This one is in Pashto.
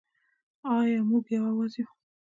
آیا موږ یو اواز یو؟